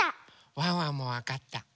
ワンワンもわかった。